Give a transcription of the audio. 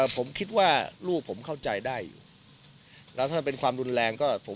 ผมคิดว่าลูกผมเข้าใจได้อยู่แล้วถ้าเป็นความรุนแรงก็ผม